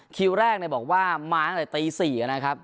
คิวแรกเนี่ยบอกว่ามาตั้งแต่ตีสี่อ่ะนะครับ